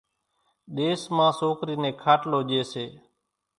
ۮيس مان سوڪرِي نين کاٽلو ڄيَ سي۔